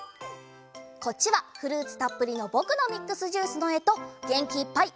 こっちはフルーツたっぷりの「ぼくのミックスジュース」のえとげんきいっぱい